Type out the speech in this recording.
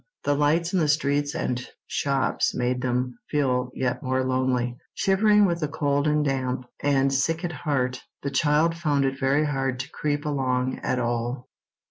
The lights in the streets and shops made them feel yet more lonely. Shivering with the cold and damp, and sick at heart, the child found it very hard to creep along at all.